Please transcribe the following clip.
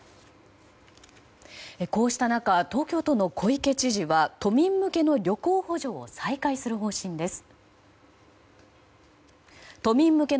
こうした中東京都の小池知事は都民向けの旅行補助を再開する方針です。